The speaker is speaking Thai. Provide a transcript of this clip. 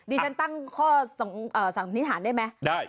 ดิฉันตั้งข้อสังธิษฐานได้ไหมได้